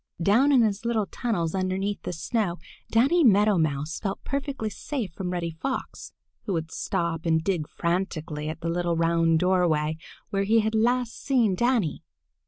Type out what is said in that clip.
Down in his little tunnels underneath the snow Danny Meadow Mouse felt perfectly safe from Reddy Fox, who would stop and dig frantically at the little round doorway where he had last seen Danny.